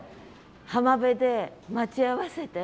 浜辺で待ち合わせて。